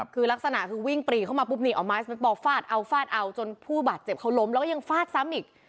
คือลักษณะคือวิ่งปรีเข้ามาปุ๊บนี่เอาไม้เบสบอลฟาดเอาฟาดเอาจนผู้บาดเจ็บเขาล้มแล้วก็ยังฟาดซ้ำอีก